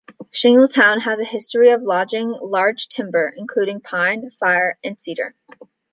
Shingletown has a history of logging large timber, including pine, fir and cedar.